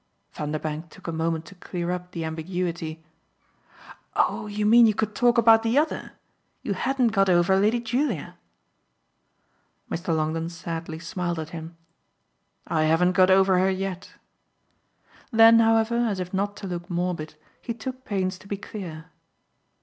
Vanderbank took a moment to clear up the ambiguity. "Oh you mean you could talk about the OTHER. You hadn't got over Lady Julia." Mr. Longdon sadly smiled at him. "I haven't got over her yet!" Then, however, as if not to look morbid, he took pains to be clear.